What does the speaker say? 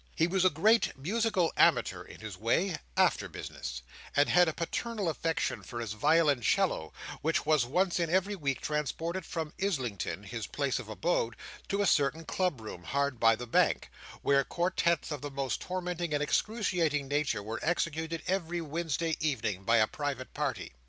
He was a great musical amateur in his way—after business; and had a paternal affection for his violoncello, which was once in every week transported from Islington, his place of abode, to a certain club room hard by the Bank, where quartettes of the most tormenting and excruciating nature were executed every Wednesday evening by a private party.